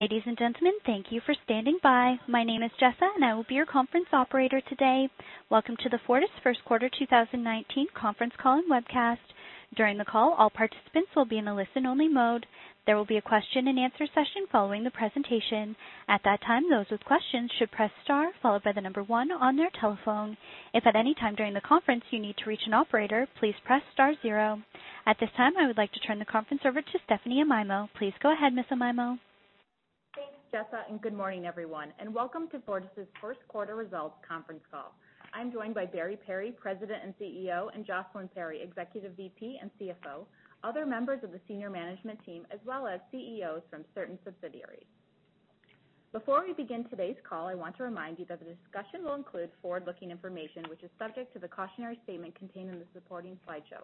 Ladies and gentlemen, thank you for standing by. My name is Jessa, and I will be your conference operator today. Welcome to the Fortis first quarter 2019 conference call and webcast. During the call, all participants will be in a listen-only mode. There will be a question and answer session following the presentation. At that time, those with questions should press star followed by the number one on their telephone. If at any time during the conference, you need to reach an operator, please press star zero. At this time, I would like to turn the conference over to Stephanie Amaimo. Please go ahead, Miss Amaimo. Thanks, Jessa, and good morning, everyone, and welcome to Fortis' first quarter results conference call. I am joined by Barry Perry, President and CEO, and Jocelyn Perry, Executive VP and CFO, other members of the senior management team, as well as CEOs from certain subsidiaries. Before we begin today's call, I want to remind you that the discussion will include forward-looking information, which is subject to the cautionary statement contained in the supporting slideshow.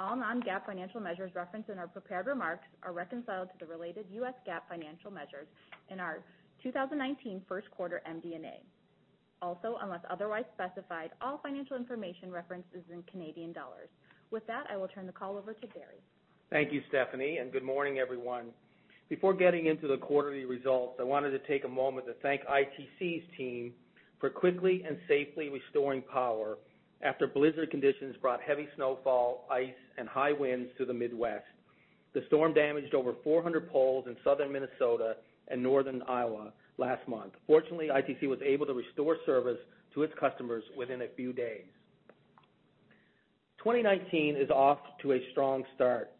All non-GAAP financial measures referenced in our prepared remarks are reconciled to the related U.S. GAAP financial measures in our 2019 first quarter MD&A. Also, unless otherwise specified, all financial information referenced is in Canadian dollars. With that, I will turn the call over to Barry. Thank you, Stephanie, and good morning, everyone. Before getting into the quarterly results, I wanted to take a moment to thank ITC's team for quickly and safely restoring power after blizzard conditions brought heavy snowfall, ice, and high winds to the Midwest. The storm damaged over 400 poles in southern Minnesota and northern Iowa last month. Fortunately, ITC was able to restore service to its customers within a few days. 2019 is off to a strong start.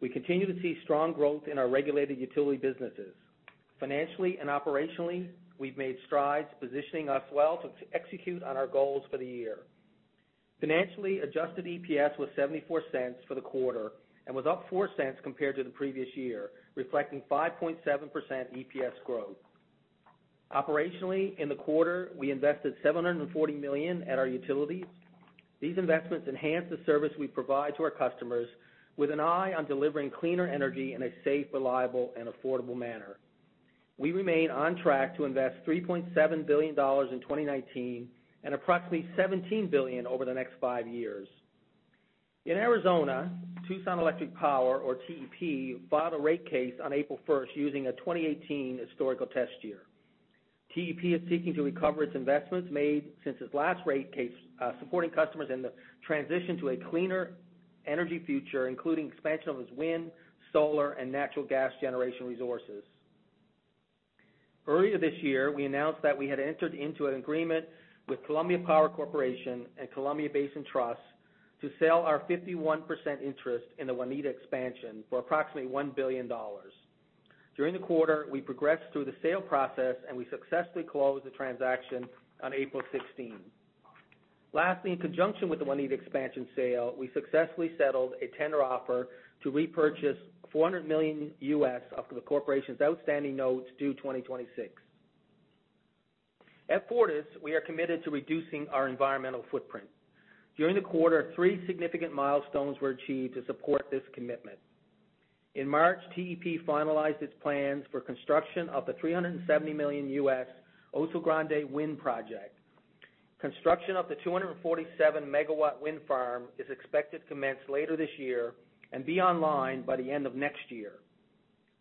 We continue to see strong growth in our regulated utility businesses. Financially and operationally, we have made strides positioning us well to execute on our goals for the year. Financially, adjusted EPS was 0.74 for the quarter and was up 0.04 compared to the previous year, reflecting 5.7% EPS growth. Operationally in the quarter, we invested 740 million at our utilities. These investments enhance the service we provide to our customers with an eye on delivering cleaner energy in a safe, reliable, and affordable manner. We remain on track to invest 3.7 billion dollars in 2019 and approximately 17 billion over the next five years. In Arizona, Tucson Electric Power, or TEP, filed a rate case on April 1st using a 2018 historical test year. TEP is seeking to recover its investments made since its last rate case, supporting customers in the transition to a cleaner energy future, including expansion of its wind, solar, and natural gas generation resources. Earlier this year, we announced that we had entered into an agreement with Columbia Power Corporation and Columbia Basin Trust to sell our 51% interest in the Waneta Expansion for approximately 1 billion dollars. During the quarter, we progressed through the sale process, and we successfully closed the transaction on April 16. Lastly, in conjunction with the Waneta Expansion sale, we successfully settled a tender offer to repurchase $400 million U.S. of the corporation's outstanding notes due 2026. At Fortis, we are committed to reducing our environmental footprint. During the quarter, three significant milestones were achieved to support this commitment. In March, TEP finalized its plans for construction of the $370 million U.S. Oso Grande Wind Project. Construction of the 247-megawatt wind farm is expected to commence later this year and be online by the end of next year.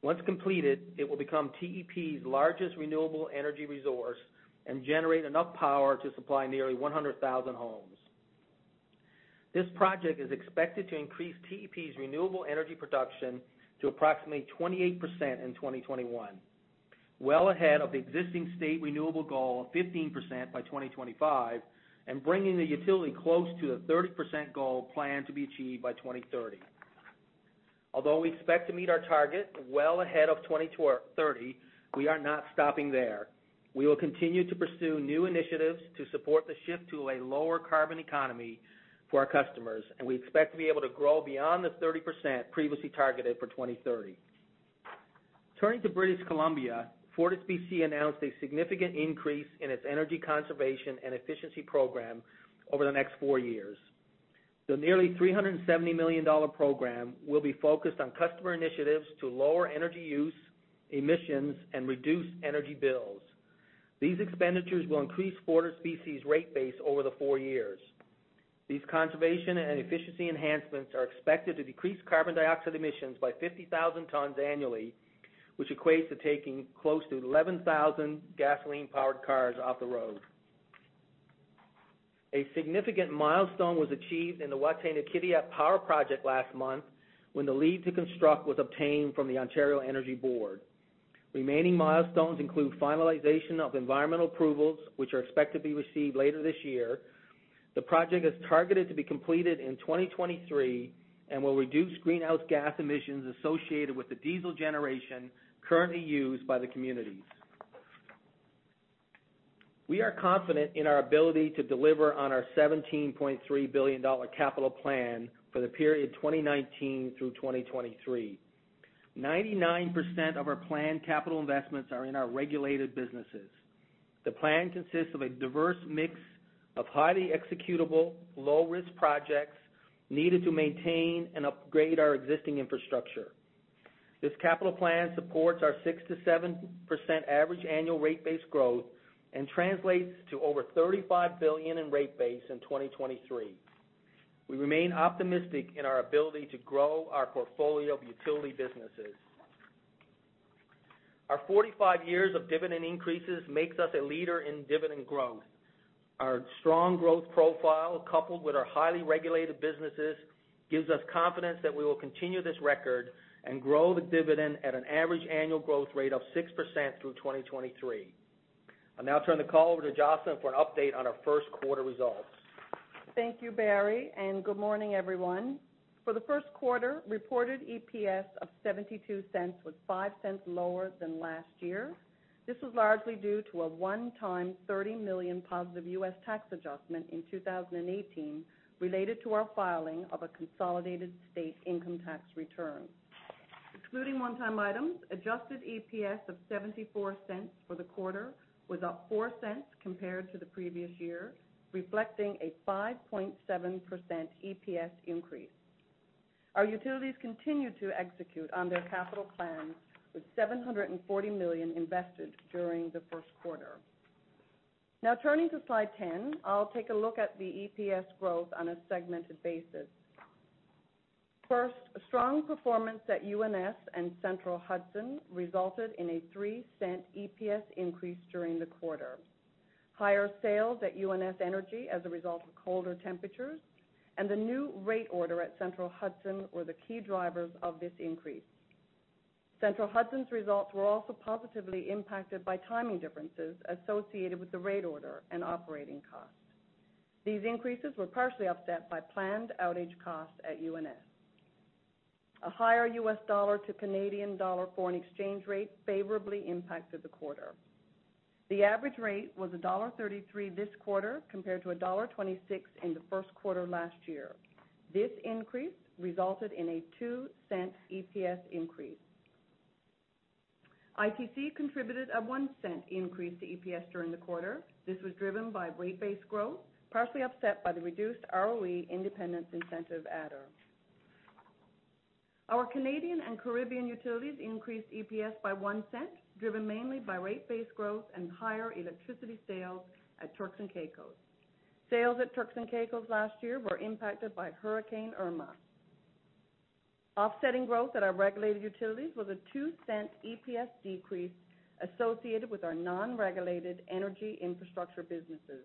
Once completed, it will become TEP's largest renewable energy resource and generate enough power to supply nearly 100,000 homes. This project is expected to increase TEP's renewable energy production to approximately 28% in 2021, well ahead of the existing state renewable goal of 15% by 2025 and bringing the utility close to the 30% goal planned to be achieved by 2030. Although we expect to meet our target well ahead of 2030, we are not stopping there. We will continue to pursue new initiatives to support the shift to a lower carbon economy for our customers, and we expect to be able to grow beyond the 30% previously targeted for 2030. Turning to British Columbia, FortisBC announced a significant increase in its energy conservation and efficiency program over the next four years. The nearly 370 million dollar program will be focused on customer initiatives to lower energy use, emissions, and reduce energy bills. These expenditures will increase FortisBC's rate base over the four years. These conservation and efficiency enhancements are expected to decrease carbon dioxide emissions by 50,000 tons annually, which equates to taking close to 11,000 gasoline-powered cars off the road. A significant milestone was achieved in the Wataynikaneyap Power Project last month when the leave to construct was obtained from the Ontario Energy Board. Remaining milestones include finalization of environmental approvals, which are expected to be received later this year. The project is targeted to be completed in 2023 and will reduce greenhouse gas emissions associated with the diesel generation currently used by the communities. We are confident in our ability to deliver on our 17.3 billion dollar capital plan for the period 2019 through 2023. 99% of our planned capital investments are in our regulated businesses. The plan consists of a diverse mix of highly executable, low-risk projects needed to maintain and upgrade our existing infrastructure. This capital plan supports our 6%-7% average annual rate base growth and translates to over 35 billion in rate base in 2023. We remain optimistic in our ability to grow our portfolio of utility businesses. Our 45 years of dividend increases makes us a leader in dividend growth. Our strong growth profile, coupled with our highly regulated businesses, gives us confidence that we will continue this record and grow the dividend at an average annual growth rate of 6% through 2023. I'll now turn the call over to Jocelyn for an update on our first quarter results. Thank you, Barry, and good morning, everyone. For the first quarter, reported EPS of 0.72 was 0.05 lower than last year. This was largely due to a one-time 30 million positive U.S. tax adjustment in 2018 related to our filing of a consolidated state income tax return. Excluding one-time items, adjusted EPS of 0.74 for the quarter was up 0.04 compared to the previous year, reflecting a 5.7% EPS increase. Our utilities continued to execute on their capital plans, with 740 million invested during the first quarter. Turning to slide 10, I will take a look at the EPS growth on a segmented basis. First, a strong performance at UNS and Central Hudson resulted in a 0.03 EPS increase during the quarter. Higher sales at UNS Energy as a result of colder temperatures and the new rate order at Central Hudson were the key drivers of this increase. Central Hudson's results were also positively impacted by timing differences associated with the rate order and operating costs. These increases were partially offset by planned outage costs at UNS. A higher U.S. dollar to Canadian dollar foreign exchange rate favorably impacted the quarter. The average rate was 1.33 this quarter, compared to 1.26 in the first quarter last year. This increase resulted in a CAD 0.02 EPS increase. ITC contributed a CAD 0.01 increase to EPS during the quarter. This was driven by rate-based growth, partially offset by the reduced ROE independence incentive adder. Our Canadian and Caribbean utilities increased EPS by 0.01, driven mainly by rate-based growth and higher electricity sales at Turks and Caicos. Sales at Turks and Caicos last year were impacted by Hurricane Irma. Offsetting growth at our regulated utilities was a 0.02 EPS decrease associated with our non-regulated energy infrastructure businesses.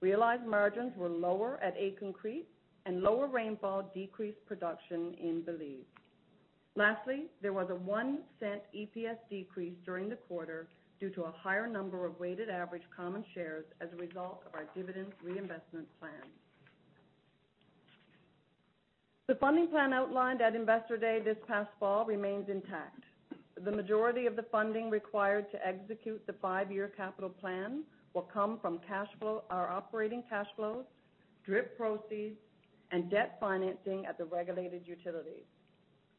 Realized margins were lower at Aitken Creek, and lower rainfall decreased production in Belize. Lastly, there was a 0.01 EPS decrease during the quarter due to a higher number of weighted average common shares as a result of our dividend reinvestment plan. The funding plan outlined at Investor Day this past fall remains intact. The majority of the funding required to execute the five-year capital plan will come from our operating cash flows, DRIP proceeds, and debt financing at the regulated utilities.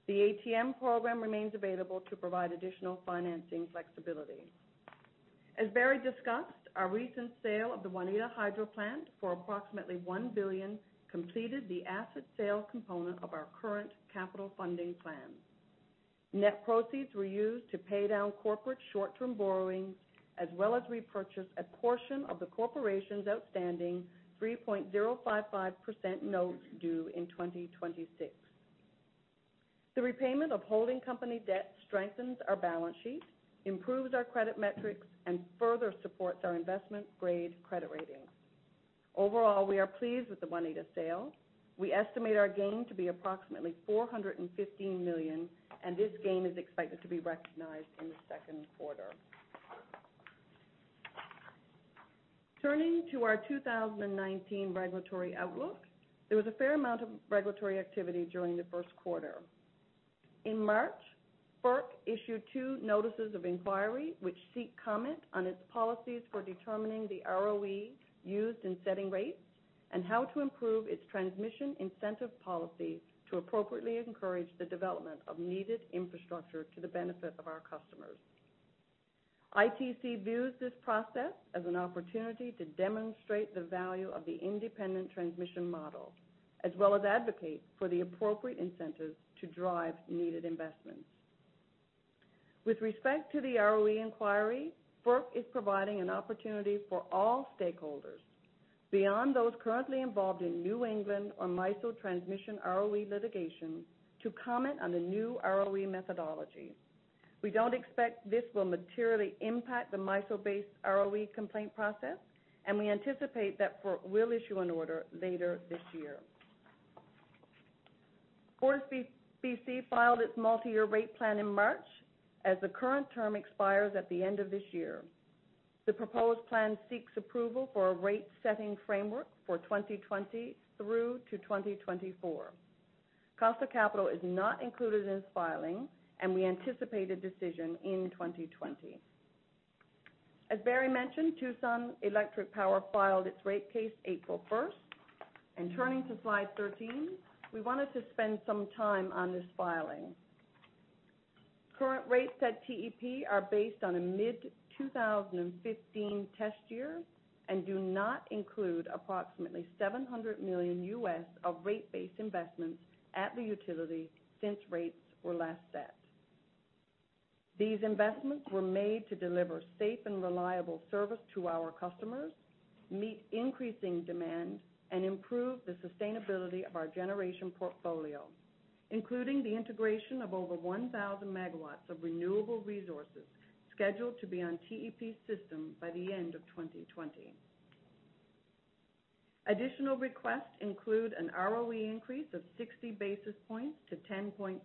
The ATM program remains available to provide additional financing flexibility. As Barry discussed, our recent sale of the Waneta Hydro Plant for approximately 1 billion completed the asset sales component of our current capital funding plan. Net proceeds were used to pay down corporate short-term borrowings, as well as repurchase a portion of the corporation's outstanding 3.055% notes due in 2026. The repayment of holding company debt strengthens our balance sheet, improves our credit metrics, and further supports our investment-grade credit rating. Overall, we are pleased with the Waneta sale. We estimate our gain to be approximately 415 million, and this gain is expected to be recognized in the second quarter. Turning to our 2019 regulatory outlook, there was a fair amount of regulatory activity during the first quarter. In March, FERC issued two notices of inquiry, which seek comment on its policies for determining the ROE used in setting rates and how to improve its transmission incentive policy to appropriately encourage the development of needed infrastructure to the benefit of our customers. ITC views this process as an opportunity to demonstrate the value of the independent transmission model, as well as advocate for the appropriate incentives to drive needed investments. With respect to the ROE inquiry, FERC is providing an opportunity for all stakeholders, beyond those currently involved in New England or MISO transmission ROE litigation, to comment on the new ROE methodology. We don't expect this will materially impact the MISO-based ROE complaint process, and we anticipate that FERC will issue an order later this year. FortisBC filed its multi-year rate plan in March, as the current term expires at the end of this year. The proposed plan seeks approval for a rate-setting framework for 2020 through to 2024. Cost of capital is not included in this filing, and we anticipate a decision in 2020. As Barry mentioned, Tucson Electric Power filed its rate case April 1st. Turning to slide 13, we wanted to spend some time on this filing. Current rates at TEP are based on a mid-2015 test year and do not include approximately $700 million of rate-based investments at the utility since rates were last set. These investments were made to deliver safe and reliable service to our customers, meet increasing demand, and improve the sustainability of our generation portfolio, including the integration of over 1,000 megawatts of renewable resources scheduled to be on TEP's system by the end of 2020. Additional requests include an ROE increase of 60 basis points to 10.35%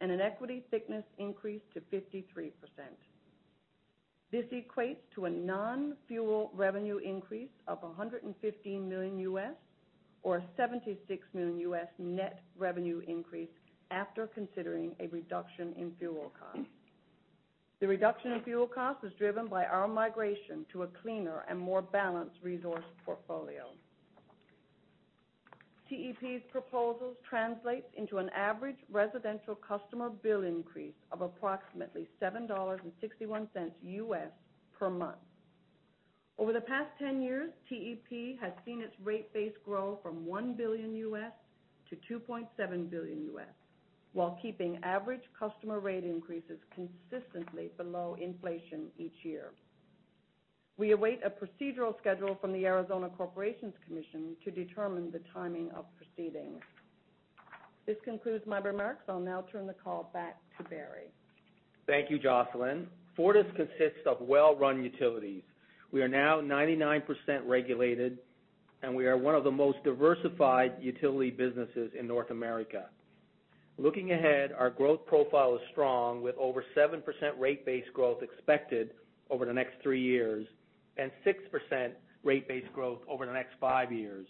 and an equity thickness increase to 53%. This equates to a non-fuel revenue increase of $115 million or a $76 million net revenue increase after considering a reduction in fuel costs. The reduction in fuel costs is driven by our migration to a cleaner and more balanced resource portfolio. TEP's proposals translates into an average residential customer bill increase of approximately $7.61 per month. Over the past 10 years, TEP has seen its rate base grow from $1 billion to $2.7 billion while keeping average customer rate increases consistently below inflation each year. We await a procedural schedule from the Arizona Corporation Commission to determine the timing of proceedings. This concludes my remarks. I'll now turn the call back to Barry. Thank you, Jocelyn. Fortis consists of well-run utilities. We are now 99% regulated, and we are one of the most diversified utility businesses in North America. Looking ahead, our growth profile is strong with over 7% rate base growth expected over the next three years and 6% rate base growth over the next five years.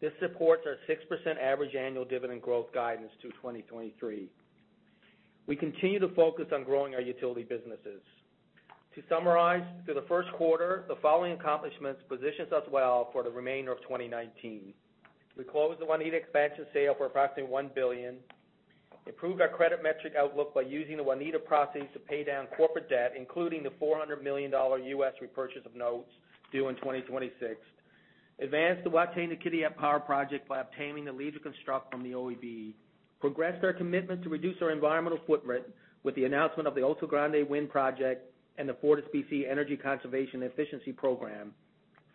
This supports our 6% average annual dividend growth guidance to 2023. We continue to focus on growing our utility businesses. To summarize, through the first quarter, the following accomplishments positions us well for the remainder of 2019. We closed the Waneta Expansion sale for approximately 1 billion, improved our credit metric outlook by using the Waneta proceeds to pay down corporate debt, including the $400 million repurchase of notes due in 2026. Advanced the Wataynikaneyap Power Project by obtaining the leave to construct from the OEB. Progressed our commitment to reduce our environmental footprint with the announcement of the Oso Grande Wind Project and the FortisBC Energy Conservation Efficiency Program.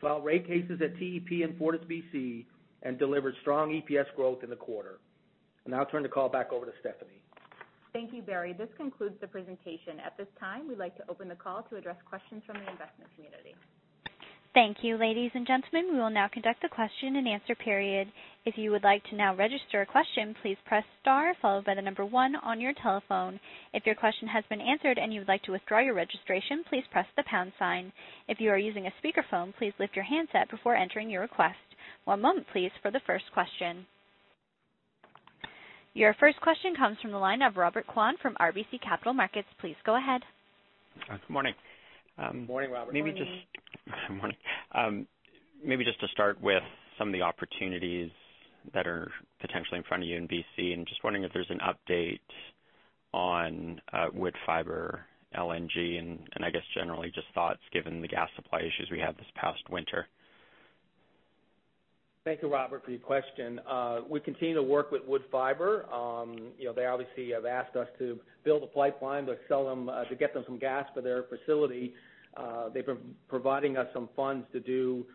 Filed rate cases at TEP and FortisBC and delivered strong EPS growth in the quarter. I'll now turn the call back over to Stephanie. Thank you, Barry. This concludes the presentation. At this time, we'd like to open the call to address questions from the investment community. Thank you, ladies and gentlemen. We will now conduct the question and answer period. If you would like to now register a question, please press star followed by the number one on your telephone. If your question has been answered and you would like to withdraw your registration, please press the pound sign. If you are using a speakerphone, please lift your handset before entering your request. One moment, please, for the first question. Your first question comes from the line of Robert Kwan from RBC Capital Markets. Please go ahead. Good morning. Morning, Robert. Morning. Morning. Maybe just to start with some of the opportunities that are potentially in front of you in BC. Just wondering if there's an update on Woodfibre LNG and, I guess generally, just thoughts given the gas supply issues we had this past winter. Thank you, Robert, for your question. We continue to work with Woodfibre. They obviously have asked us to build a pipeline to get them some gas for their facility. They've been providing us some funds to do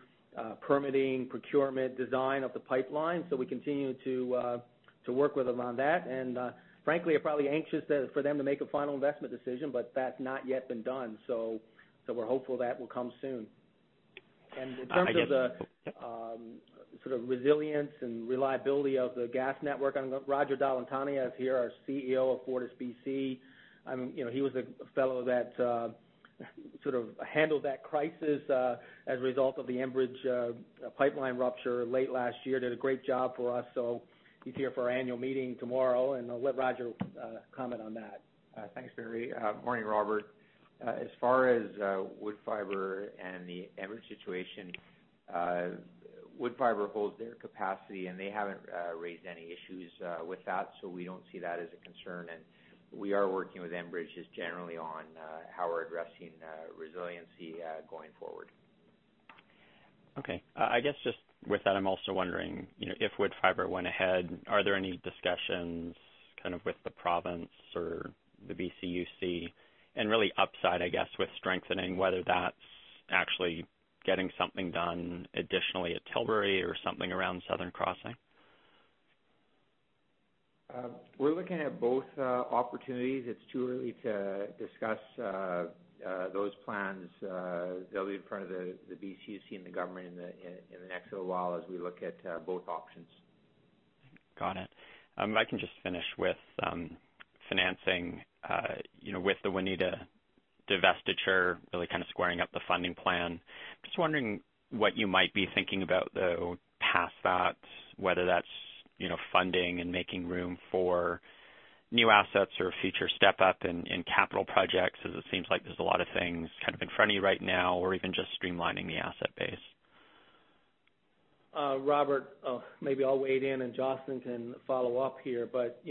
permitting, procurement, design of the pipeline. We continue to work with them on that. Frankly, we are probably anxious for them to make a final investment decision, but that's not yet been done. We're hopeful that will come soon. I get it. In terms of the sort of resilience and reliability of the gas network, Roger Dall'Antonia is here, our CEO of FortisBC. He was a fellow that sort of handled that crisis as a result of the Enbridge pipeline rupture late last year. Did a great job for us. He's here for our annual meeting tomorrow, and I'll let Roger comment on that. Thanks, Barry. Morning, Robert. As far as Woodfibre and the Enbridge situation, Woodfibre holds their capacity, and they haven't raised any issues with that, we don't see that as a concern. We are working with Enbridge just generally on how we're addressing resiliency going forward. Okay. I guess just with that, I'm also wondering, if Woodfibre went ahead, are there any discussions with the province or the BCUC and really upside, I guess, with strengthening, whether that's actually getting something done additionally at Tilbury or something around Southern Crossing? We're looking at both opportunities. It's too early to discuss those plans. They'll be in front of the BCUC and the government in the next little while as we look at both options. Got it. If I can just finish with financing. With the Waneta divestiture really kind of squaring up the funding plan, just wondering what you might be thinking about, though, past that, whether that's funding and making room for new assets or future step-up in capital projects, as it seems like there's a lot of things kind of in front of you right now, or even just streamlining the asset base. Robert, maybe I'll weigh in and Jocelyn can follow up here.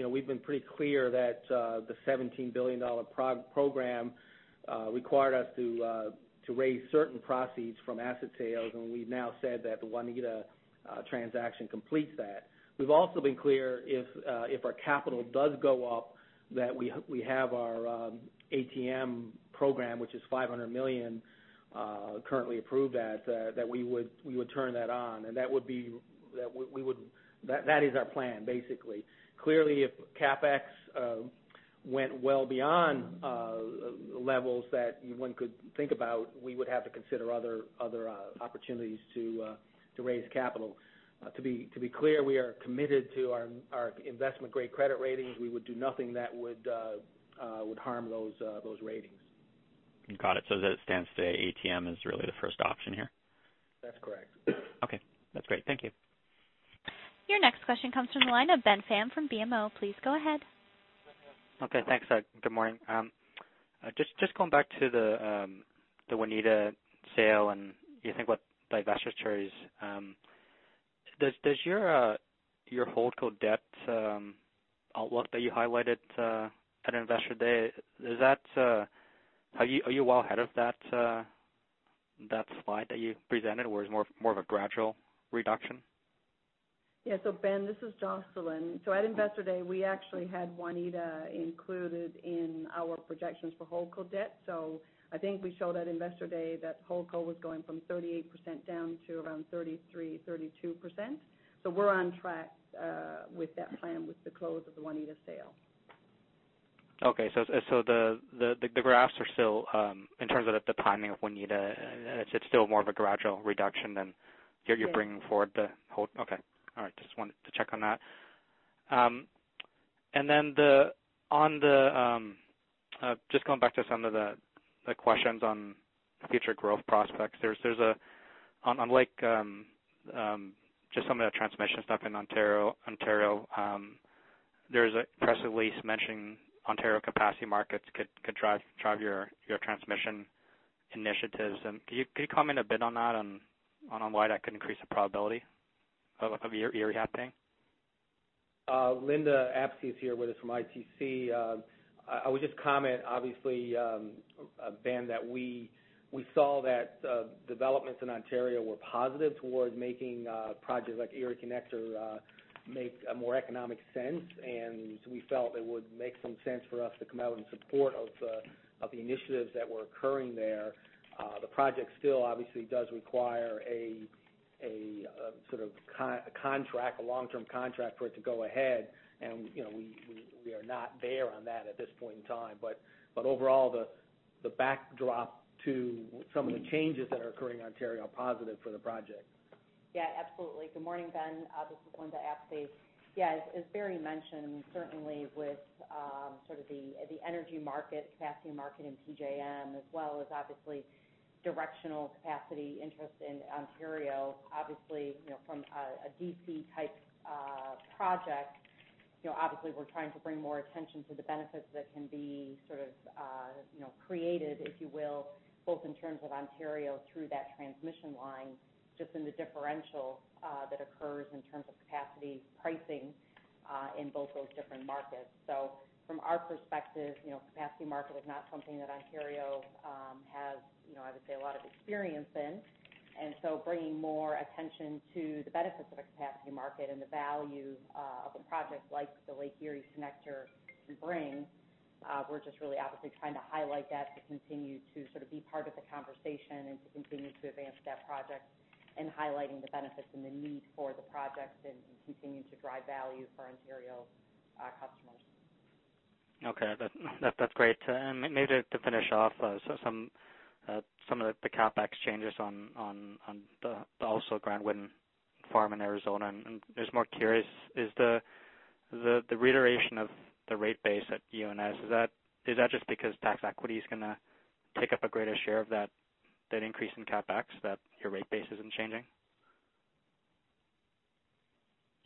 We've been pretty clear that the 17 billion dollar program required us to raise certain proceeds from asset sales, and we've now said that the Waneta transaction completes that. We've also been clear, if our capital does go up, that we have our ATM program, which is 500 million currently approved, that we would turn that on. That is our plan, basically. Clearly, if CapEx went well beyond levels that one could think about, we would have to consider other opportunities to raise capital. To be clear, we are committed to our investment-grade credit ratings. We would do nothing that would harm those ratings. Got it. As it stands today, ATM is really the first option here? That's correct. Okay. That's great. Thank you. Your next question comes from the line of Ben Pham from BMO. Please go ahead. Okay, thanks. Good morning. Just going back to the Waneta sale, you think what divestiture is. Does your holdco debt outlook that you highlighted at Investor Day, are you well ahead of that slide that you presented, or is it more of a gradual reduction? Yeah. Ben, this is Jocelyn Perry. At Investor Day, we actually had Waneta included in our projections for holdco debt. I think we showed at Investor Day that holdco was going from 38% down to around 33%, 32%. We're on track with that plan with the close of the Waneta sale. Okay. The graphs are still, in terms of the timing of Waneta, it's still more of a gradual reduction than- Yes. You're bringing forward the whole Okay. All right. Just wanted to check on that. Just going back to some of the questions on future growth prospects. On like, just some of the transmission stuff in Ontario. There's a press release mentioning Ontario capacity markets could drive your transmission initiatives. Can you comment a bit on that, on why that could increase the probability of Erie happening? Linda Apsey is here with us from ITC. I would just comment, obviously, Ben, that we saw that developments in Ontario were positive towards making projects like Erie Connector make more economic sense. We felt it would make some sense for us to come out in support of the initiatives that were occurring there. The project still obviously does require a long-term contract for it to go ahead, and we are not there on that at this point in time. Overall, the backdrop to some of the changes that are occurring in Ontario are positive for the project. Yeah, absolutely. Good morning, Ben. This is Linda Apsey. As Barry mentioned, certainly with sort of the energy market, capacity market in PJM, as well as obviously directional capacity interest in Ontario, from a DC type project, obviously we're trying to bring more attention to the benefits that can be sort of created, if you will, both in terms of Ontario through that transmission line, just in the differential that occurs in terms of capacity pricing in both those different markets. From our perspective, capacity market is not something that Ontario has, I would say, a lot of experience in. Bringing more attention to the benefits of a capacity market and the value of a project like the Lake Erie Connector can bring, we're just really obviously trying to highlight that to continue to sort of be part of the conversation and to continue to advance that project and highlighting the benefits and the need for the project and continue to drive value for Ontario customers. Okay. That's great. Maybe to finish off, some of the CapEx changes on the Oso Grande wind farm in Arizona. Just more curious, is the reiteration of the rate base at UNS, is that just because tax equity is going to take up a greater share of that increase in CapEx, that your rate base isn't changing?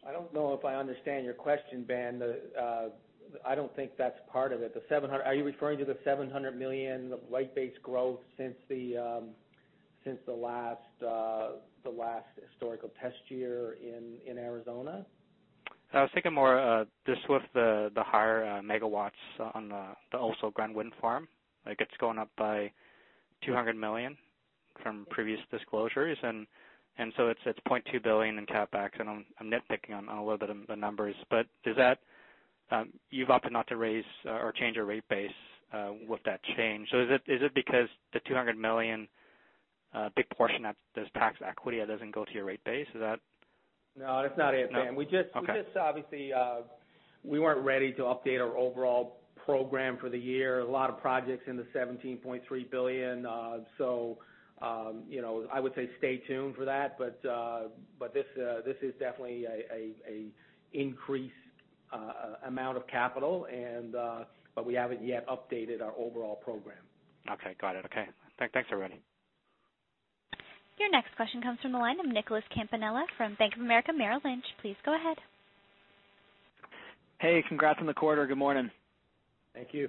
I don't know if I understand your question, Ben. I don't think that's part of it. Are you referring to the 700 million of rate base growth since the last historical test year in Arizona? I was thinking more just with the higher megawatts on the Oso Grande wind farm. Like it's going up by 200 million from previous disclosures, it's 0.2 billion in CapEx, I'm nitpicking on a little bit of the numbers. You've opted not to raise or change your rate base with that change. Is it because the 200 million, a big portion of this tax equity doesn't go to your rate base? Is that? No, that's not it, Ben. No? Okay. We just obviously, we weren't ready to update our overall program for the year. A lot of projects in the 17.3 billion. I would say stay tuned for that. This is definitely an increased amount of capital, but we haven't yet updated our overall program. Okay. Got it. Okay. Thanks, everybody. Your next question comes from the line of Nicholas Campanella from Bank of America Merrill Lynch. Please go ahead. Hey, congrats on the quarter. Good morning. Thank you.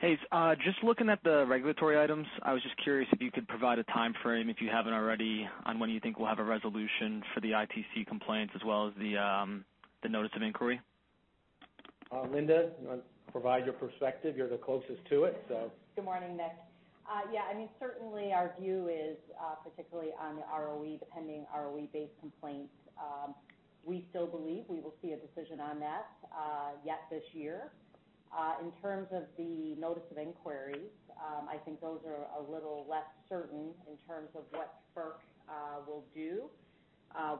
Hey, just looking at the regulatory items. I was just curious if you could provide a timeframe, if you haven't already, on when you think we'll have a resolution for the ITC complaints as well as the notice of inquiry? Linda, you want to provide your perspective? You're the closest to it. Good morning, Nick. Yeah, certainly our view is, particularly on the ROE, the pending ROE-based complaints, we still believe we will see a decision on that yet this year. In terms of the notice of inquiries, I think those are a little less certain in terms of what FERC will do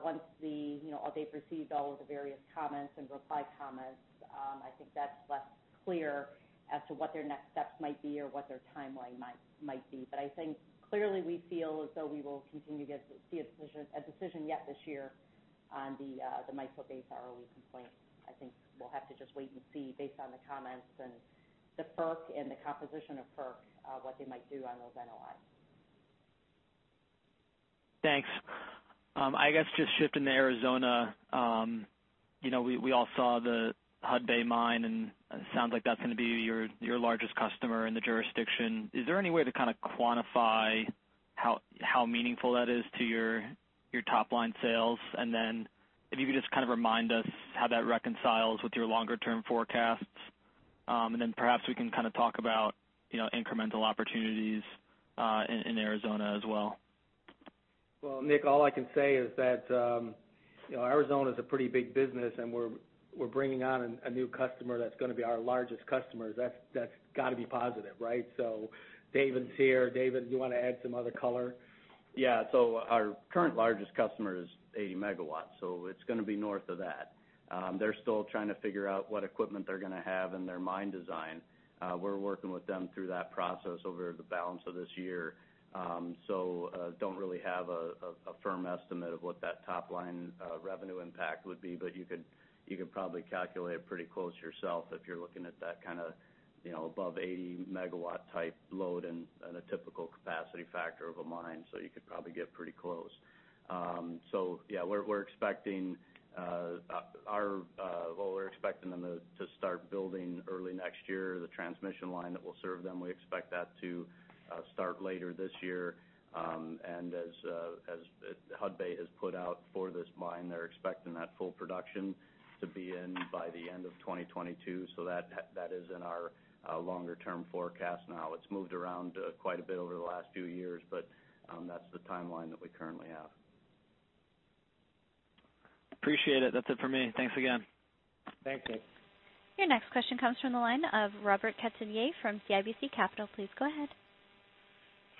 once they've received all of the various comments and reply comments. I think that's less clear as to what their next steps might be or what their timeline might be. I think clearly we feel as though we will continue to see a decision yet this year on the micro-based ROE complaint. I think we'll have to just wait and see based on the comments and the FERC and the composition of FERC, what they might do on those NOI. Thanks. I guess just shifting to Arizona. We all saw the Hudbay mine, it sounds like that's going to be your largest customer in the jurisdiction. If you could just remind us how that reconciles with your longer-term forecasts. Perhaps we can talk about incremental opportunities in Arizona as well. Nick, all I can say is that Arizona is a pretty big business, and we're bringing on a new customer that's going to be our largest customer. That's got to be positive, right? David's here. David, do you want to add some other color? Yeah. Our current largest customer is 80 MW, it's going to be north of that. They're still trying to figure out what equipment they're going to have in their mine design. We're working with them through that process over the balance of this year. Don't really have a firm estimate of what that top-line revenue impact would be, but you could probably calculate it pretty close yourself if you're looking at that above 80 MW type load and a typical capacity factor of a mine. You could probably get pretty close. Yeah, we're expecting them to start building early next year, the transmission line that will serve them. We expect that to start later this year. As Hudbay has put out for this mine, they're expecting that full production to be in by the end of 2022. That is in our longer-term forecast now. It's moved around quite a bit over the last few years, but that's the timeline that we currently have. Appreciate it. That's it for me. Thanks again. Thanks, Nick. Your next question comes from the line of Robert Catellier from CIBC Capital Markets. Please go ahead.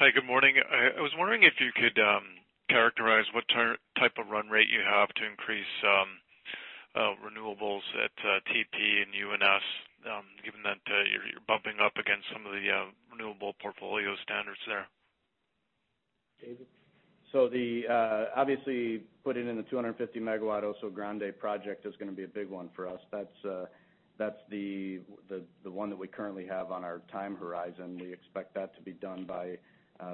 Hi, good morning. I was wondering if you could characterize what type of run rate you have to increase renewables at TEP and UNS, given that you're bumping up against some of the renewable portfolio standards there. David? Obviously putting in the 250 MW Oso Grande project is going to be a big one for us. That's the one that we currently have on our time horizon. We expect that to be done by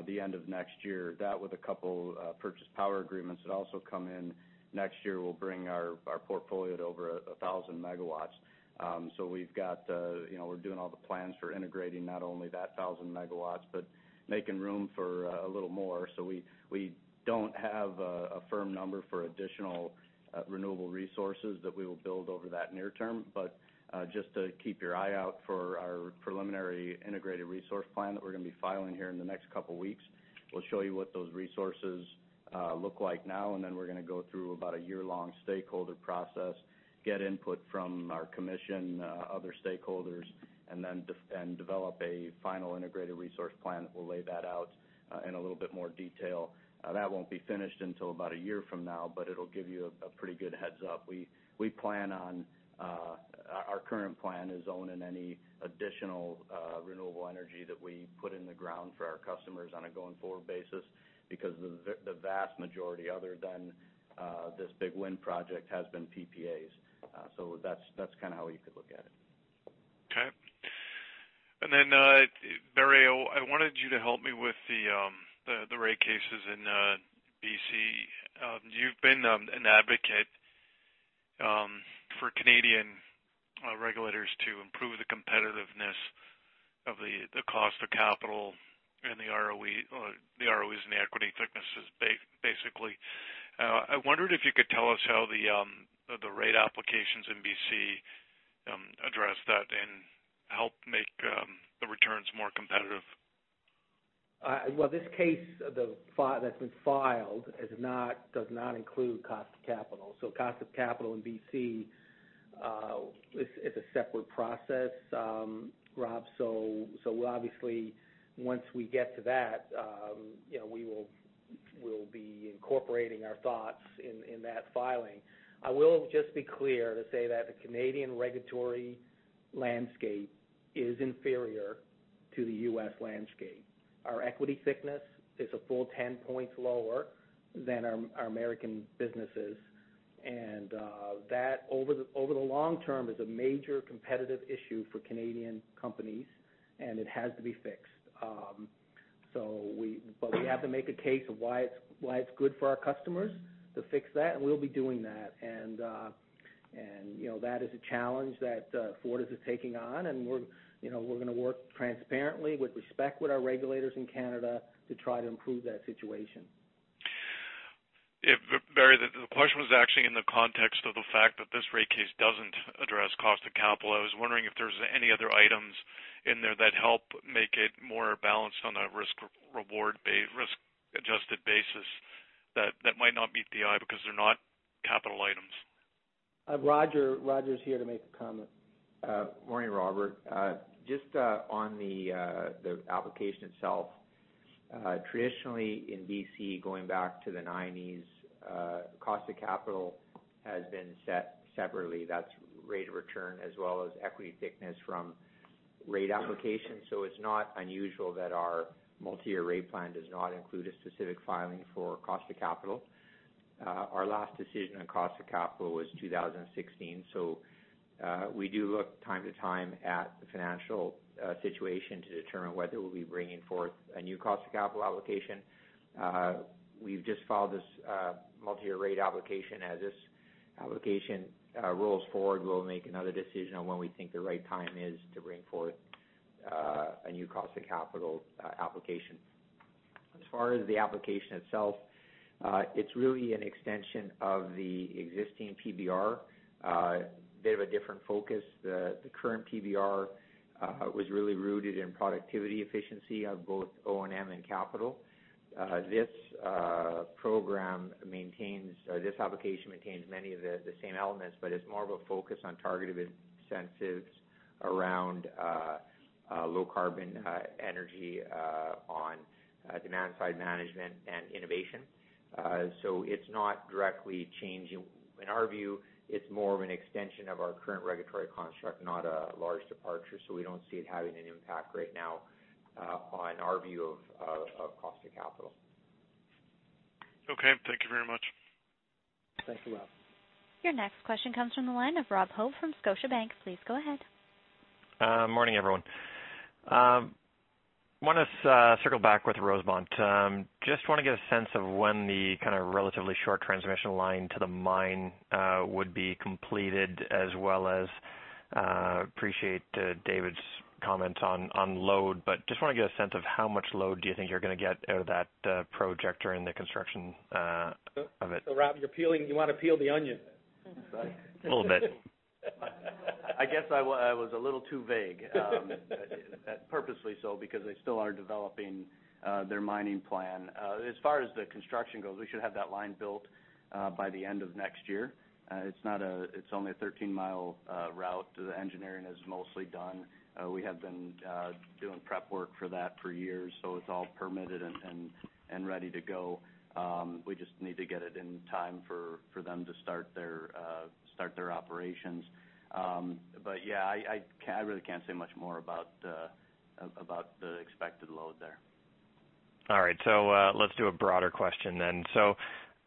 the end of next year. That with a couple purchase power agreements that also come in next year will bring our portfolio to over 1,000 MW. We're doing all the plans for integrating not only that 1,000 MW, but making room for a little more. We don't have a firm number for additional renewable resources that we will build over that near term. Just to keep your eye out for our preliminary integrated resource plan that we're going to be filing here in the next couple of weeks. We'll show you what those resources look like now. We're going to go through about a year-long stakeholder process, get input from our commission, other stakeholders, and then develop a final integrated resource plan that will lay that out in a little bit more detail. That won't be finished until about a year from now, but it'll give you a pretty good heads up. Our current plan is owning any additional renewable energy that we put in the ground for our customers on a going-forward basis because the vast majority, other than this big wind project, has been PPAs. That's how you could look at it. Okay. Barry, I wanted you to help me with the rate cases in BC. You've been an advocate for Canadian regulators to improve the competitiveness of the cost of capital and the ROEs and the equity thicknesses, basically. I wondered if you could tell us how the rate applications in BC address that and help make the returns more competitive. Well, this case that's been filed does not include cost of capital. Cost of capital in BC is a separate process, Rob. Obviously once we get to that, we'll be incorporating our thoughts in that filing. I will just be clear to say that the Canadian regulatory landscape is inferior to the U.S. landscape. Our equity thickness is a full ten points lower than our American businesses. That, over the long term, is a major competitive issue for Canadian companies, and it has to be fixed. We have to make a case of why it's good for our customers to fix that, and we'll be doing that. That is a challenge that Fortis is taking on, and we're going to work transparently with respect with our regulators in Canada to try to improve that situation. Barry, the question was actually in the context of the fact that this rate case doesn't address cost of capital. I was wondering if there's any other items in there that help make it more balanced on a risk-adjusted basis that might not meet the eye because they're not capital items. Roger is here to make a comment. Morning, Robert. Just on the application itself. Traditionally in B.C., going back to the '90s, cost of capital has been set separately. That's rate of return as well as equity thickness from rate applications. It's not unusual that our multi-year rate plan does not include a specific filing for cost of capital. Our last decision on cost of capital was 2016, so we do look time to time at the financial situation to determine whether we'll be bringing forth a new cost of capital application. We've just filed this multi-year rate application. As this application rolls forward, we'll make another decision on when we think the right time is to bring forth a new cost of capital application. As far as the application itself, it's really an extension of the existing PBR, a bit of a different focus. The current PBR was really rooted in productivity efficiency on both O&M and capital. This application maintains many of the same elements, but it's more of a focus on targeted incentives around low-carbon energy on demand-side management and innovation. It's not directly changing. In our view, it's more of an extension of our current regulatory construct, not a large departure. We don't see it having an impact right now on our view of cost of capital. Okay. Thank you very much. Thank you, Rob. Your next question comes from the line of Robert Hope from Scotiabank. Please go ahead. Morning, everyone. Want to circle back with Rosemont. Just want to get a sense of when the kind of relatively short transmission line to the mine would be completed, as well as appreciate David's comments on load. Just want to get a sense of how much load do you think you're going to get out of that project during the construction of it? Rob, you want to peel the onion. A little bit. I guess I was a little too vague. Purposely so, because they still are developing their mining plan. As far as the construction goes, we should have that line built by the end of next year. It's only a 13-mile route. The engineering is mostly done. We have been doing prep work for that for years, so it's all permitted and ready to go. We just need to get it in time for them to start their operations. Yeah, I really can't say much more about the expected load there. All right. Let's do a broader question then.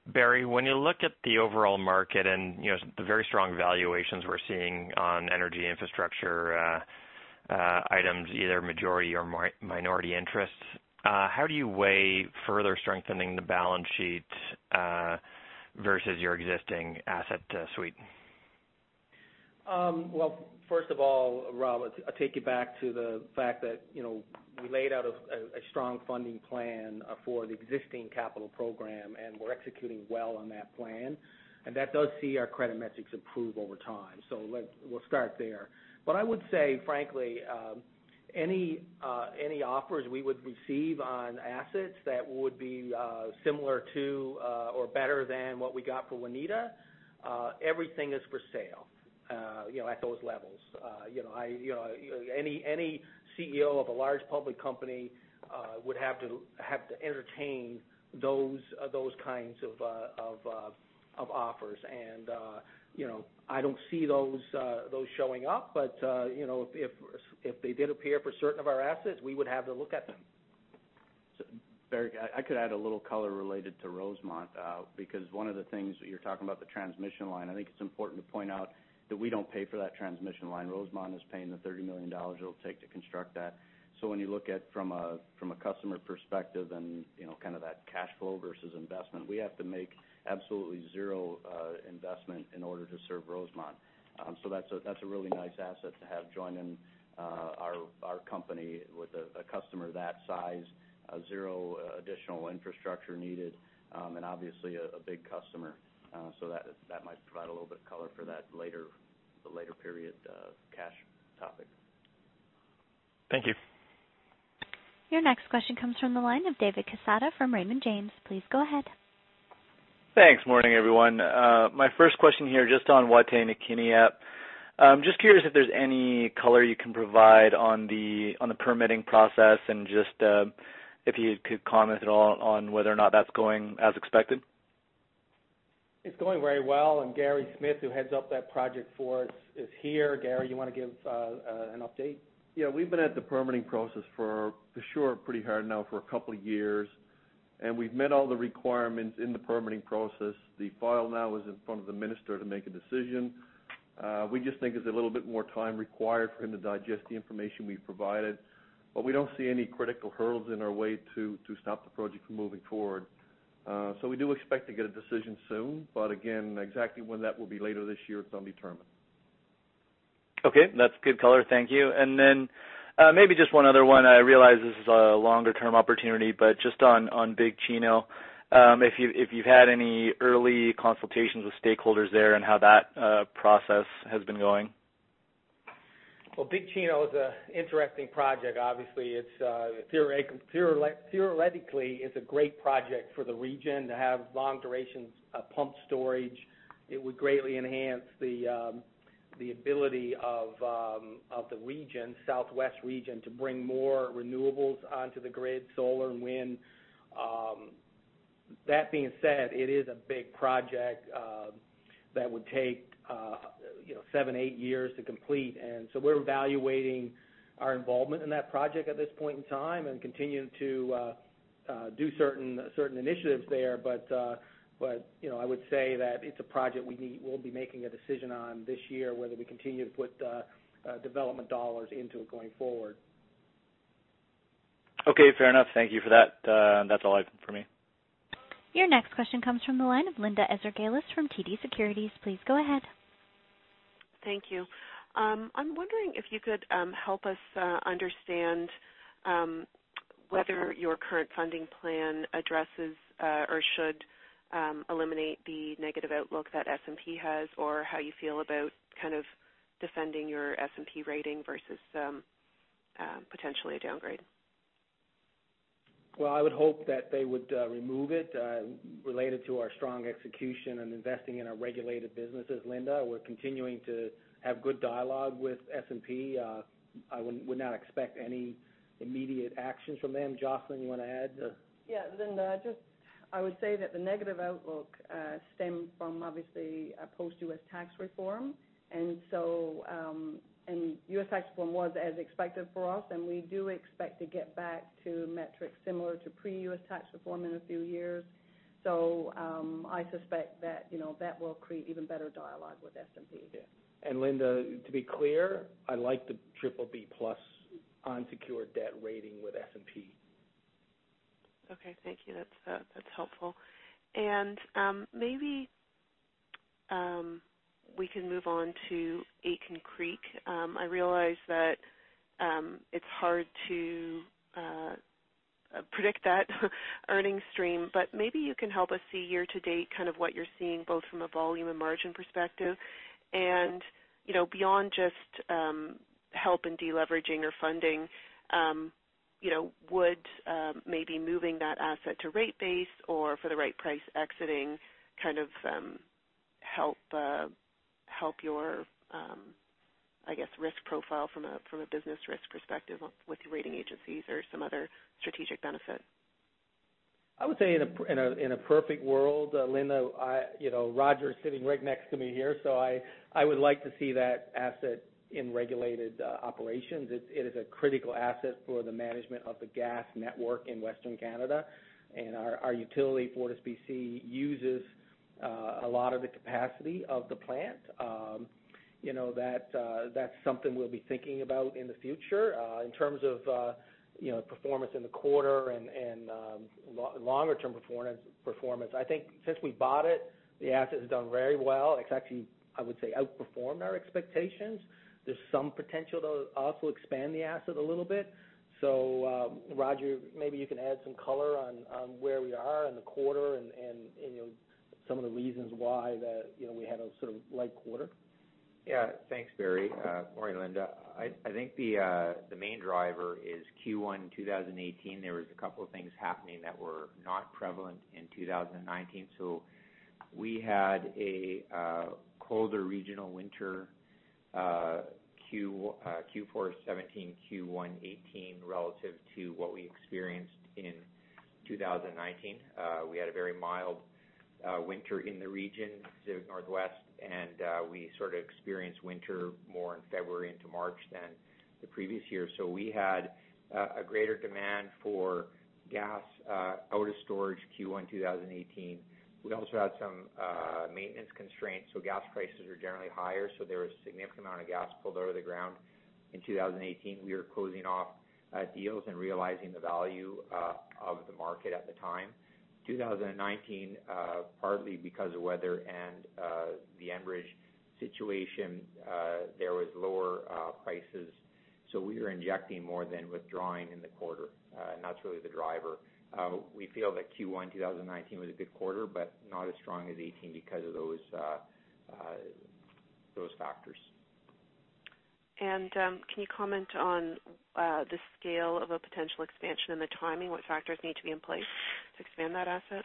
Barry, when you look at the overall market and the very strong valuations we're seeing on energy infrastructure items, either majority or minority interests, how do you weigh further strengthening the balance sheet versus your existing asset suite? Well, first of all, Rob, I'll take you back to the fact that we laid out a strong funding plan for the existing capital program, and we're executing well on that plan. That does see our credit metrics improve over time. We'll start there. I would say, frankly, any offers we would receive on assets that would be similar to or better than what we got for Waneta, everything is for sale at those levels. Any CEO of a large public company would have to entertain those kinds of offers. I don't see those showing up. If they did appear for certain of our assets, we would have to look at them. Barry, I could add a little color related to Rosemont, because one of the things that you're talking about, the transmission line, I think it's important to point out that we don't pay for that transmission line. Rosemont is paying the 30 million dollars it'll take to construct that. When you look at from a customer perspective and kind of that cash flow versus investment, we have to make absolutely zero investment in order to serve Rosemont. That's a really nice asset to have joining our company with a customer that size, zero additional infrastructure needed, and obviously a big customer. That might provide a little bit of color for that later-period cash topic. Thank you. Your next question comes from the line of David Quezada from Raymond James. Please go ahead. Thanks. Morning, everyone. My first question here, just on Wataynikaneyap. Just curious if there's any color you can provide on the permitting process and just if you could comment at all on whether or not that's going as expected. It's going very well. Gary Smith, who heads up that project for us, is here. Gary, you want to give an update? Yeah, we've been at the permitting process for sure pretty hard now for a couple of years, and we've met all the requirements in the permitting process. The file now is in front of the minister to make a decision. We just think there's a little bit more time required for him to digest the information we've provided. We don't see any critical hurdles in our way to stop the project from moving forward. We do expect to get a decision soon. Again, exactly when that will be later this year is undetermined. Okay, that's good color. Thank you. Then, maybe just one other one. I realize this is a longer-term opportunity, but just on Big Chino, if you've had any early consultations with stakeholders there and how that process has been going? Well, Big Chino is an interesting project. Obviously, theoretically, it's a great project for the region to have long-duration pumped storage. It would greatly enhance the ability of the Southwest region to bring more renewables onto the grid, solar and wind. That being said, it is a big project that would take seven, eight years to complete. We're evaluating our involvement in that project at this point in time and continue to do certain initiatives there. I would say that it's a project we'll be making a decision on this year, whether we continue to put development dollars into it going forward. Okay. Fair enough. Thank you for that. That's all for me. Your next question comes from the line of Linda Ezergailis from TD Securities. Please go ahead. Thank you. I'm wondering if you could help us understand whether your current funding plan addresses or should eliminate the negative outlook that S&P has, or how you feel about kind of defending your S&P rating versus potentially a downgrade. I would hope that they would remove it, related to our strong execution and investing in our regulated businesses, Linda. We're continuing to have good dialogue with S&P. I would not expect any immediate action from them. Jocelyn, you want to add? Linda, I would say that the negative outlook stemmed from, obviously, post-U.S. tax reform. U.S. tax reform was as expected for us, and we do expect to get back to metrics similar to pre-U.S. tax reform in a few years. I suspect that will create even better dialogue with S&P. Linda, to be clear, I like the BBB+ unsecured debt rating with S&P. Okay. Thank you. That's helpful. Maybe we can move on to Aitken Creek. I realize that it's hard to predict that earning stream, but maybe you can help us see year to date, kind of what you're seeing, both from a volume and margin perspective. Beyond just help in deleveraging or funding, would maybe moving that asset to rate base or for the right price exiting, kind of help your risk profile from a business risk perspective with the rating agencies or some other strategic benefit? I would say in a perfect world, Linda, Roger's sitting right next to me here, I would like to see that asset in regulated operations. It is a critical asset for the management of the gas network in Western Canada. Our utility, FortisBC, uses a lot of the capacity of the plant. That's something we'll be thinking about in the future. In terms of performance in the quarter and longer-term performance, I think since we bought it, the asset has done very well. It's actually, I would say, outperformed our expectations. There's some potential to also expand the asset a little bit. Roger, maybe you can add some color on where we are in the quarter and some of the reasons why that we had a sort of light quarter. Yeah. Thanks, Barry. Morning, Linda. I think the main driver is Q1 2018, there was a couple of things happening that were not prevalent in 2019. We had a colder regional winter Q4 2017, Q1 2018, relative to what we experienced in 2019. We had a very mild winter in the region, Pacific Northwest, and we sort of experienced winter more in February into March than the previous year. We had a greater demand for gas out of storage Q1 2018. We also had some maintenance constraints, gas prices were generally higher, there was a significant amount of gas pulled out of the ground. In 2018, we were closing off deals and realizing the value of the market at the time. 2019, partly because of weather and the Enbridge situation, there was lower prices. We were injecting more than withdrawing in the quarter. That's really the driver. We feel that Q1 2019 was a good quarter, but not as strong as 2018 because of those factors. Can you comment on the scale of a potential expansion and the timing? What factors need to be in place to expand that asset?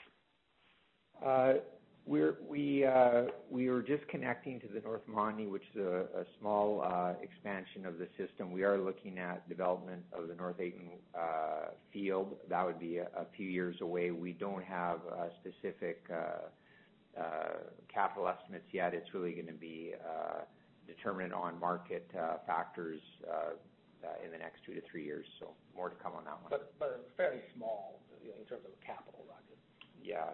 We are just connecting to the North Montney, which is a small expansion of the system. We are looking at development of the North Aitken field. That would be a few years away. We don't have specific capital estimates yet. It's really going to be determined on market factors, in the next two to three years. More to come on that one. Fairly small in terms of a capital, Roger. Yeah.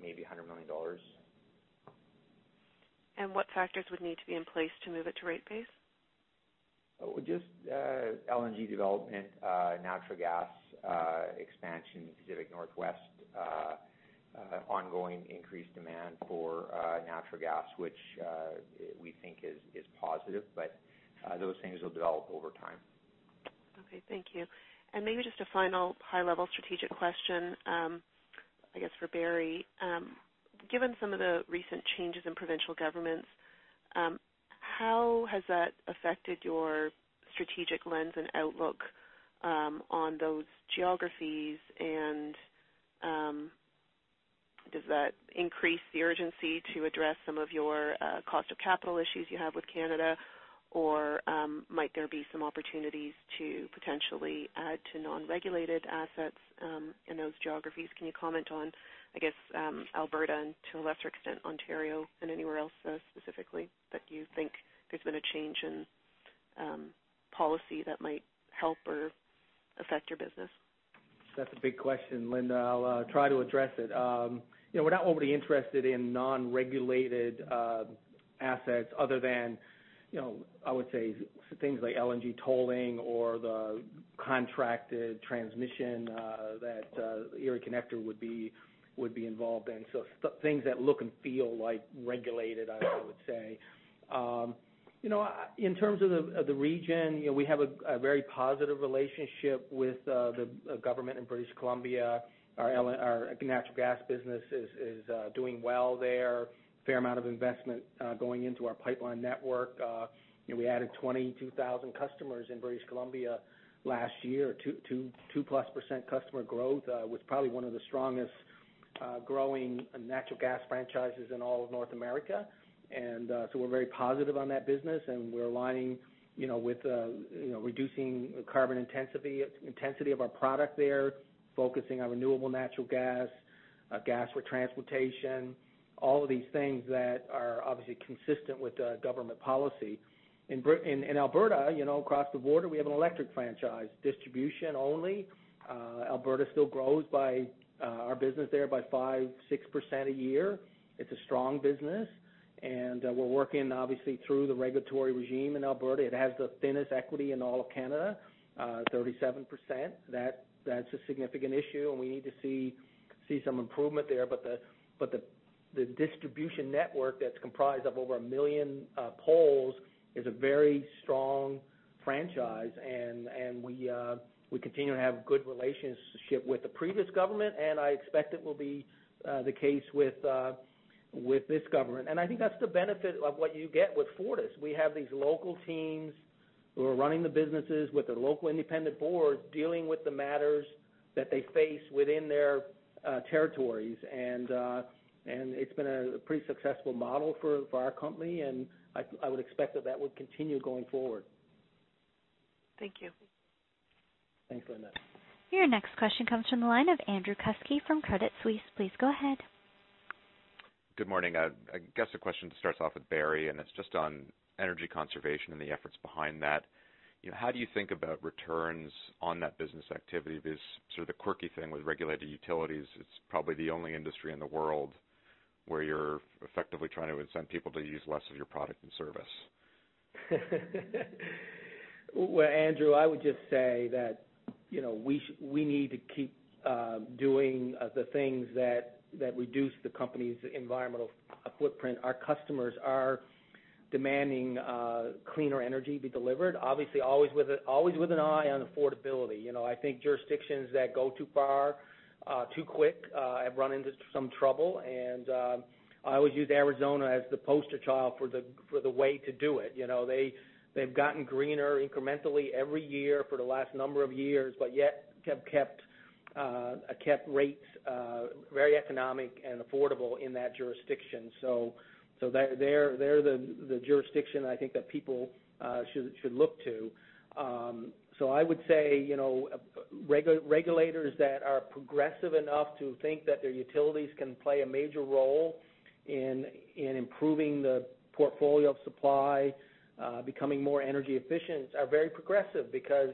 Maybe 100 million dollars. What factors would need to be in place to move it to rate base? Just LNG development, natural gas expansion in the Pacific Northwest, ongoing increased demand for natural gas, which we think is positive. Those things will develop over time. Okay, thank you. Maybe just a final high-level strategic question, I guess, for Barry. Given some of the recent changes in provincial governments, how has that affected your strategic lens and outlook on those geographies? Does that increase the urgency to address some of your cost of capital issues you have with Canada? Might there be some opportunities to potentially add to non-regulated assets in those geographies? Can you comment on, I guess, Alberta and to a lesser extent, Ontario and anywhere else specifically that you think there's been a change in policy that might help or affect your business? That's a big question, Linda. I'll try to address it. We're not overly interested in non-regulated assets other than, I would say things like LNG tolling or the contracted transmission that Erie Connector would be involved in. Things that look and feel regulated, I would say. In terms of the region, we have a very positive relationship with the government in British Columbia. Our natural gas business is doing well there. Fair amount of investment going into our pipeline network. We added 22,000 customers in British Columbia last year, 2+% customer growth, was probably one of the strongest growing natural gas franchises in all of North America. We're very positive on that business, and we're aligning with reducing carbon intensity of our product there, focusing on renewable natural gas for transportation, all of these things that are obviously consistent with government policy. In Alberta, across the border, we have an electric franchise, distribution only. Alberta still grows our business there by 5%, 6% a year. It's a strong business, and we're working obviously through the regulatory regime in Alberta. It has the thinnest equity in all of Canada, 37%. That's a significant issue, and we need to see some improvement there. The distribution network that's comprised of over a million poles is a very strong franchise, and we continue to have good relationship with the previous government, and I expect it will be the case with this government. I think that's the benefit of what you get with Fortis. We have these local teams who are running the businesses with their local independent boards, dealing with the matters that they face within their territories. It's been a pretty successful model for our company, and I would expect that that would continue going forward. Thank you. Thanks, Linda. Your next question comes from the line of Andrew Kuske from Credit Suisse. Please go ahead. Good morning. I guess the question starts off with Barry, it's just on energy conservation and the efforts behind that. How do you think about returns on that business activity? There's sort of the quirky thing with regulated utilities. It's probably the only industry in the world where you're effectively trying to incent people to use less of your product and service. Well, Andrew, I would just say that we need to keep doing the things that reduce the company's environmental footprint. Our customers are demanding cleaner energy be delivered, obviously always with an eye on affordability. I think jurisdictions that go too far too quick have run into some trouble. I always use Arizona as the poster child for the way to do it. They've gotten greener incrementally every year for the last number of years, yet have kept rates very economic and affordable in that jurisdiction. They're the jurisdiction I think that people should look to. I would say regulators that are progressive enough to think that their utilities can play a major role in improving the portfolio of supply, becoming more energy efficient, are very progressive because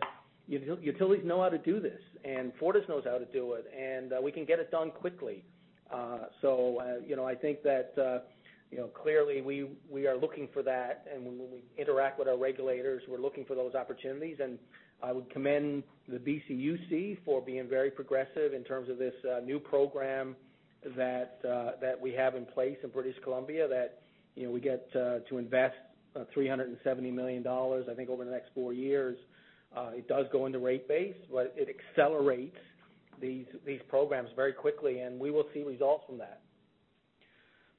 utilities know how to do this, and Fortis knows how to do it, and we can get it done quickly. I think that clearly we are looking for that, and when we interact with our regulators, we're looking for those opportunities. I would commend the BCUC for being very progressive in terms of this new program that we have in place in British Columbia that we get to invest 370 million dollars, I think, over the next four years. It does go into rate base, but it accelerates these programs very quickly, and we will see results from that.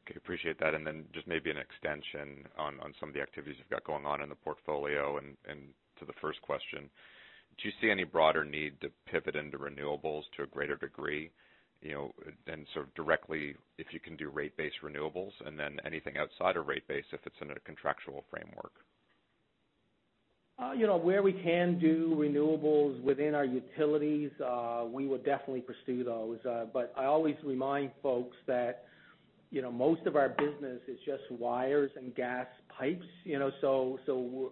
Okay, appreciate that. Just maybe an extension on some of the activities you've got going on in the portfolio and to the first question. Do you see any broader need to pivot into renewables to a greater degree? Sort of directly, if you can do rate-based renewables, then anything outside of rate base if it's in a contractual framework. Where we can do renewables within our utilities, we would definitely pursue those. I always remind folks that most of our business is just wires and gas pipes. We're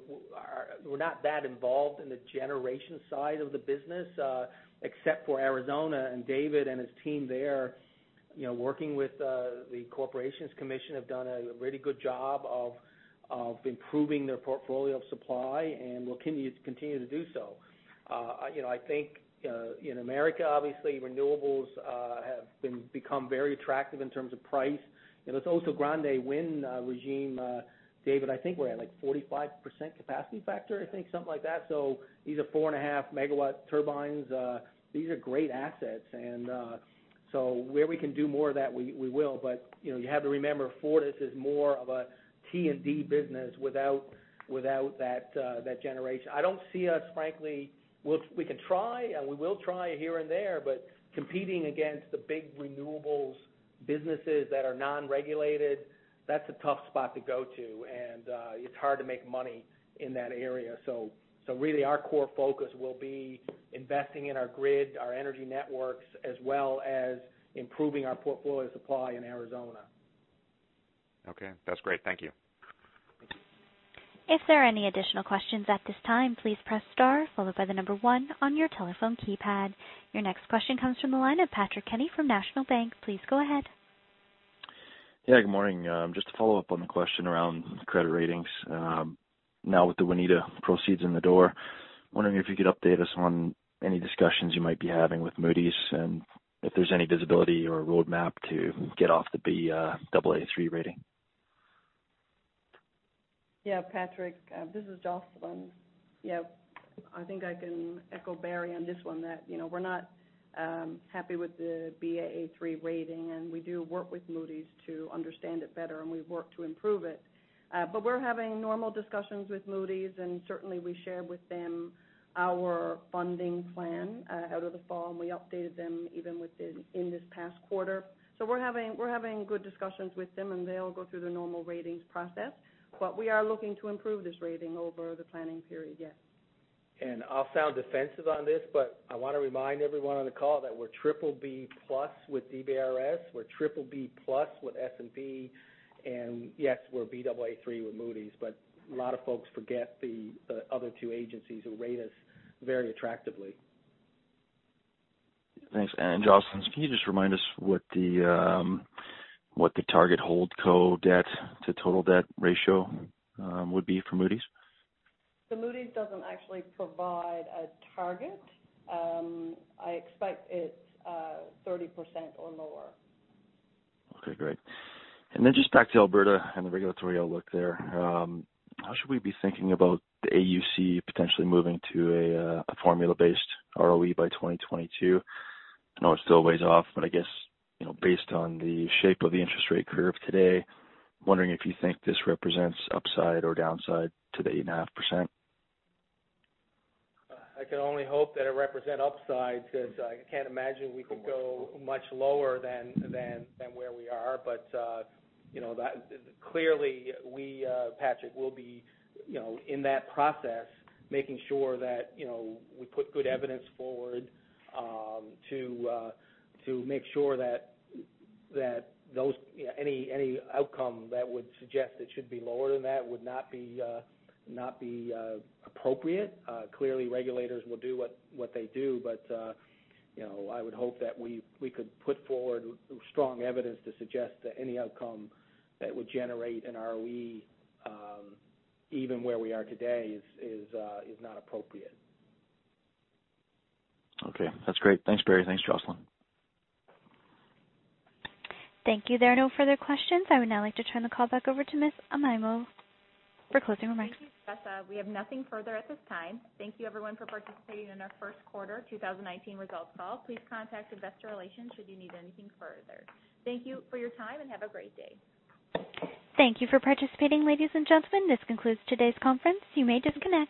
not that involved in the generation side of the business except for Arizona and David and his team there Working with the Arizona Corporation Commission have done a really good job of improving their portfolio of supply and will continue to do so. I think in the U.S., obviously, renewables have become very attractive in terms of price. This Oso Grande wind regime, David, I think we're at like 45% capacity factor, I think, something like that. These are four-and-a-half megawatt turbines. These are great assets where we can do more of that, we will. You have to remember, Fortis is more of a T&D business without that generation. I don't see us, frankly, we can try, and we will try here and there, but competing against the big renewables businesses that are non-regulated, that's a tough spot to go to, and it's hard to make money in that area. Really our core focus will be investing in our grid, our energy networks, as well as improving our portfolio supply in Arizona. That's great. Thank you. If there are any additional questions at this time, please press star followed by the number 1 on your telephone keypad. Your next question comes from the line of Patrick Kenny from National Bank. Please go ahead. Good morning. Just to follow up on the question around credit ratings. Now with the Waneta proceeds in the door, wondering if you could update us on any discussions you might be having with Moody's and if there's any visibility or roadmap to get off the Baa3 rating. Patrick. This is Jocelyn. I think I can echo Barry on this one that we are not happy with the Baa3 rating, and we do work with Moody's to understand it better, and we have worked to improve it. We are having normal discussions with Moody's, and certainly, we shared with them our funding plan out of the fall, and we updated them even within this past quarter. We are having good discussions with them, and they will go through the normal ratings process. We are looking to improve this rating over the planning period, yes. I will sound defensive on this, but I want to remind everyone on the call that we are BBB+ with DBRS. We are BBB+ with S&P, and yes, we are Baa3 with Moody's, but a lot of folks forget the other two agencies who rate us very attractively. Thanks. Jocelyn, can you just remind us what the target hold co-debt to total debt ratio would be for Moody's? Moody's does not actually provide a target. I expect it is 30% or lower. Okay, great. Just back to Alberta and the regulatory outlook there. How should we be thinking about the AUC potentially moving to a formula-based ROE by 2022? I know it's still ways off, but I guess, based on the shape of the interest rate curve today, wondering if you think this represents upside or downside to the 8.5%. I can only hope that it represent upside, since I can't imagine we could go much lower than where we are. Clearly, we, Patrick, will be in that process, making sure that we put good evidence forward to make sure that any outcome that would suggest it should be lower than that would not be appropriate. Clearly, regulators will do what they do, but I would hope that we could put forward strong evidence to suggest that any outcome that would generate an ROE, even where we are today, is not appropriate. Okay. That's great. Thanks, Barry. Thanks, Jocelyn. Thank you. There are no further questions. I would now like to turn the call back over to Ms. Amaimo for closing remarks. Thank you, Jessa. We have nothing further at this time. Thank you everyone for participating in our first quarter 2019 results call. Please contact investor relations should you need anything further. Thank you for your time, and have a great day. Thank you for participating, ladies and gentlemen. This concludes today's conference. You may disconnect.